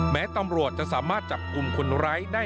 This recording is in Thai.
แม้ตำรวจจะสามารถจับกลุ่มคนร้ายได้